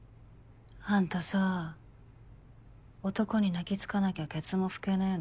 あんたさ男に泣きつかなきゃケツも拭けねぇの？